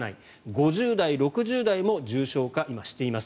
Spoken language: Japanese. ５０代、６０代も重症化、今、しています。